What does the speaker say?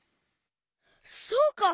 そうか！